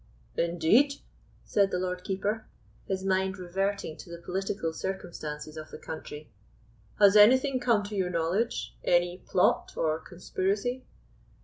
"Indeed?" said the Lord Keeper, his mind reverting to the political circumstances of the country. "Has anything come to your knowledge—any plot or conspiracy?"